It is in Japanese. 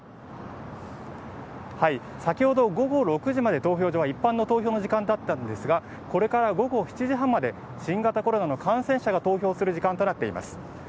先ほど午後６時まで投票所は一般の投票の時間だったんですがこれから午後７時半まで新型コロナの感染者が投票する時間となっています。